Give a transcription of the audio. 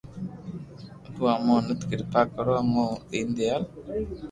تو امو نت ڪرپا ڪرو او دون ديال